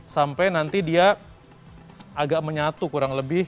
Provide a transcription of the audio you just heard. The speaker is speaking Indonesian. sampai nanti dia agak menyatu kurang lebih